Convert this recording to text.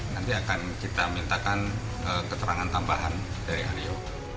nanti akan kita mintakan keterangan tambahan dari aryo